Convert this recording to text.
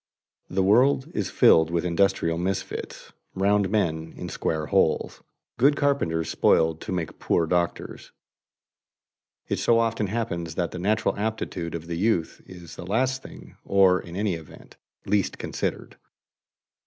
The world is filled with industrial misfits, "round men in square holes," good carpenters spoiled to make poor doctors. It so often happens that the natural aptitude of the youth is the thing last or, in any event, least considered.